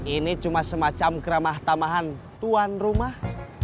ini cuma semacam keramah tamahan tuan rumah